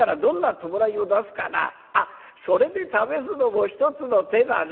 それで試すのも一つの手だね。